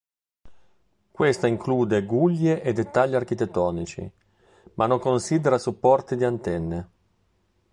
Questa include guglie e dettagli architettonici, ma non considera supporti di antenne.